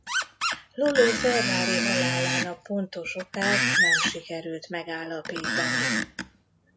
Lolo Ferrari halálának pontos okát nem sikerült megállapítani.